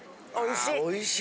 おいしい。